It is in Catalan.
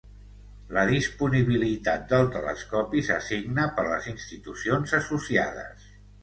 La disponibilitat del telescopi s'assigna per les institucions associades.